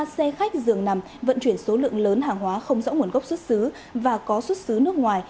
ba xe khách dường nằm vận chuyển số lượng lớn hàng hóa không rõ nguồn gốc xuất xứ và có xuất xứ nước ngoài